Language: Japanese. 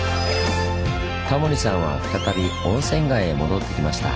タモリさんは再び温泉街へ戻ってきました。